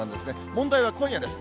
問題は今夜です。